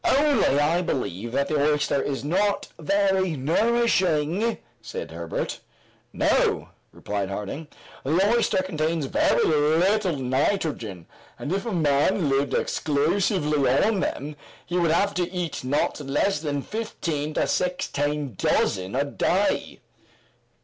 "Only I believe that the oyster is not very nourishing," said Herbert. "No," replied Harding. "The oyster contains very little nitrogen, and if a man lived exclusively on them, he would have to eat not less than fifteen to sixteen dozen a day."